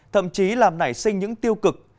thậm chí làm nảy sinh những tiêu cực